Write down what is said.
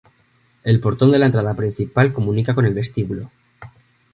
El portón de la entrada principal comunica con el vestíbulo.